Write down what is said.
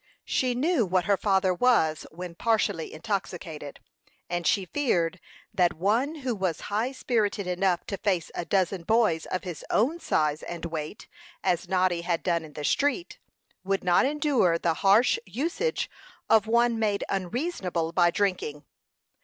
She knew what her father was when partially intoxicated, and she feared that one who was high spirited enough to face a dozen boys of his own size and weight, as Noddy had done in the street, would not endure the harsh usage of one made unreasonable by drinking.